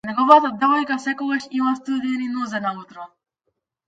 Неговата девојка секогаш има студени нозе наутро.